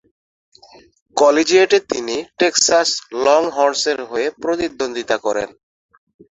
কলেজিয়েটে তিনি টেক্সাস লংহর্নসের হয়ে প্রতিদ্বন্দ্বিতা করেন।